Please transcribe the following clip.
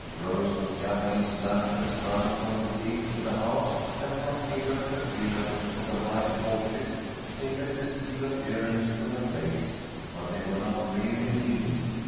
Rows of Japanese lanterns strung from the gate to the house, and from pillar to pillar of the wide porches, gave a festive appearance to the place, but they were not really needed.